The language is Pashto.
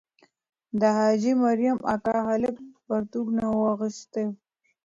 د حاجي مریم اکا هلک پرتوګ نه وو اغوستی.